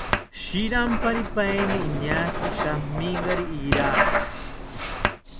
Shiramparipaeni iñaakiri kaminkari iraga